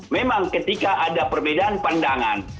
memang ketika ada perbedaan pandangan